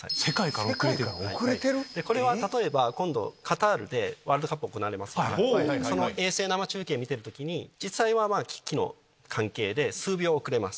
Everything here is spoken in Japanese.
これは例えば今度カタールでワールドカップ行われますけどその衛星生中継見てる時に実際は機器の関係で数秒遅れます。